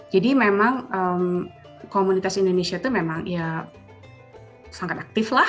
jadi memang komunitas indonesia itu memang ya sangat aktif lah